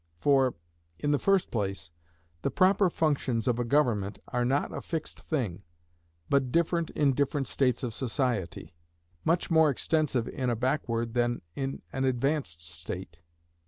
For, in the first place, the proper functions of a government are not a fixed thing, but different in different states of society; much more extensive in a backward than in an advanced state.